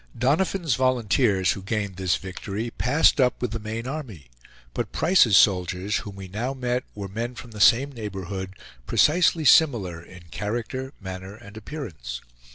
Doniphan's volunteers, who gained this victory, passed up with the main army; but Price's soldiers, whom we now met, were men from the same neighborhood, precisely similar in character, manner, and appearance.